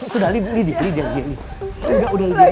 sudah liat dia